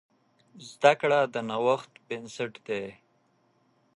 زده کړه د نوښت بنسټ دی.